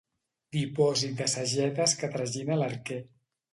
Dipòsit de sagetes que tragina l'arquer.